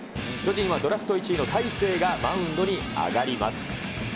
巨人はドラフト１位の大勢がマウンドに上がります。